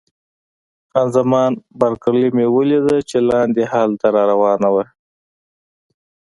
خان زمان بارکلي مې ولیده چې لاندې هال ته را روانه وه.